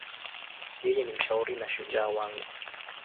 Yeye ni mshauri na shujaa wangu.